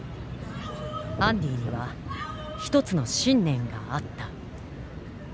アンディには一つの信念があった。